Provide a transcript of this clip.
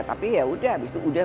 tapi ya udah abis itu udah